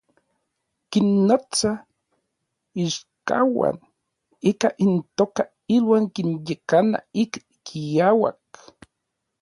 Kinnotsa n iichkauan ika intoka iuan kinyekana ik kiauak.